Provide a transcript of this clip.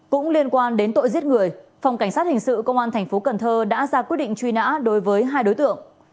cũng liên quan đến tội giết người phòng cảnh sát hình sự công an thành phố cần thơ đã ra quyết định truy nã đối với hai đối tượng